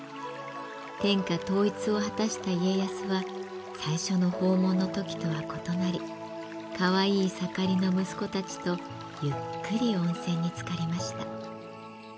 天下統一を果たした家康は最初の訪問の時とは異なりかわいい盛りの息子たちとゆっくり温泉につかりました。